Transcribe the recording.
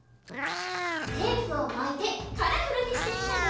テープをまいてカラフルにしてみたよ！